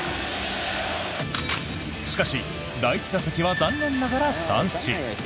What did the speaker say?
しかし、第１打席は残念ながら三振。